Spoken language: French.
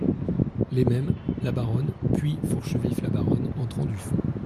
Les mêmes, la Baronne ; puis Fourchevif La Baronne , entrant du fond.